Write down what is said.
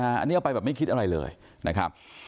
อันนี้เอาไปแบบไม่คิดอะไรเลยนะครับ